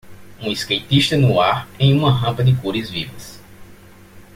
Um skatista no ar em uma rampa de cores vivas.